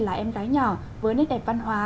là em gái nhỏ với nét đẹp văn hóa